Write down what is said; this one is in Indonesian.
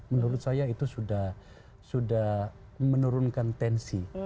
menurut saya itu sudah menurunkan tensi